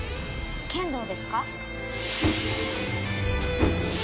剣道ですか？